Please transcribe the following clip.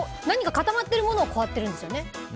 固まってるものをこうやってるんですよね？